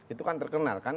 itu kan terkenal kan